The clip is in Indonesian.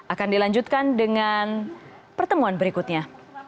akan dilanjutkan dengan pertemuan berikutnya